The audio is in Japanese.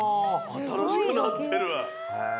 新しくなってる。